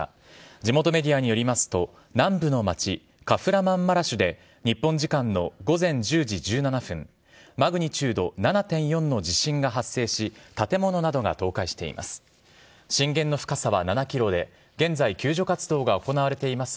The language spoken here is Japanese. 地元メディアによりますと、南部の町、カフラマンマラシュで日本時間の午前１０時１７分、マグニチュード７．４の地震が発生し、建物などが倒壊しています。